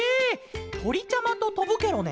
とりちゃまととぶケロね？